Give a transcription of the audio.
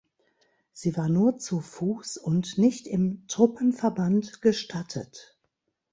Sie war nur zu Fuß und nicht im Truppenverband gestattet.